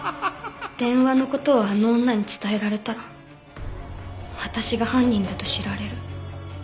電話の事をあの女に伝えられたら私が犯人だと知られる。